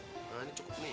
nah ini cukup nih